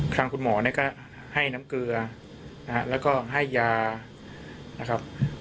ครั้งคุณหมอก็ให้น้ำเกลือและให้ยานะครับ